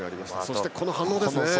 そして、この反応ですね。